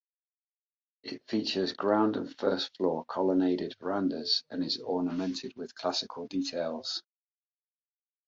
It features ground and first floor colonnaded verandahs and is ornamented with Classical details.